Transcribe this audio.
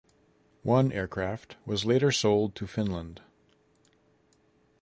One aircraft was later sold to Finland.